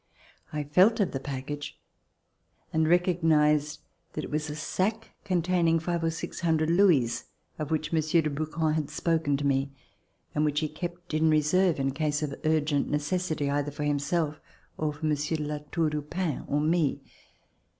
I felt of the package and recog nized that it was a sack containing five or six hundred louis, of which Monsieur de Brouquens had spoken to me, and which he kept in reserve, in case of urgent necessity, either for himself or for Monsieur de La Tour du Pin or me.